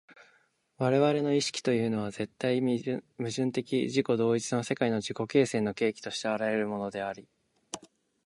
我々の意識というのは絶対矛盾的自己同一の世界の自己形成の契機として現れるのであり、